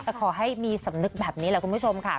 แต่ขอให้มีสำนึกแบบนี้แหละคุณผู้ชมค่ะ